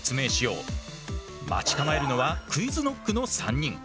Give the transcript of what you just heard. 待ち構えるのはＱｕｉｚＫｎｏｃｋの３人。